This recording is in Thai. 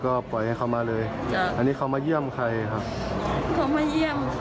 เขาเข้าโรงพยาบาลก็ไม่สบาย